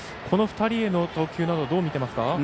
この２人への投球などどう見ていますか。